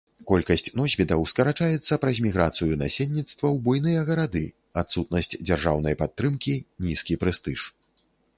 Колькасць носьбітаў скарачаецца праз міграцыю насельніцтва ў буйныя гарады, адсутнасць дзяржаўнай падтрымкі, нізкі прэстыж.